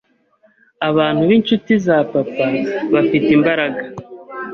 abantu b’inshuti za papa bafite imbaraga